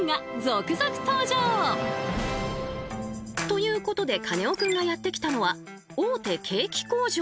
ということでカネオくんがやって来たのは大手ケーキ工場。